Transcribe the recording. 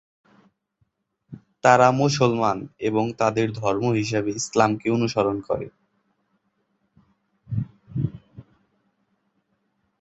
তারা মুসলমান এবং তাদের ধর্ম হিসাবে ইসলামকে অনুসরণ করে।